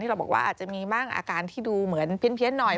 เราบอกว่าอาจจะมีบ้างอาการที่ดูเหมือนเพี้ยนหน่อย